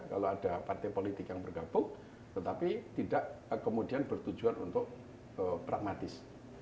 kalau ada partai politik yang bergabung tetapi tidak kemudian bertujuan untuk pragmatis